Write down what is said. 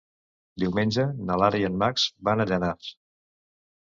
Diumenge na Lara i en Max van a Llanars.